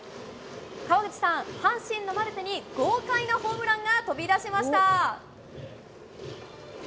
川口さん、阪神のマルテに豪快なホームランが飛び出しました。